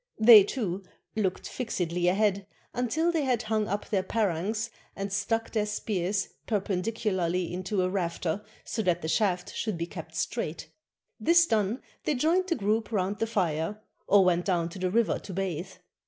They, too, looked fLxedly ahead, until they had hung up their parangs and stuck their spears perpendicularly into a rafter so that the shaft should be kept straight; this done, they joined the group round the fire, or went down to the river to bathe.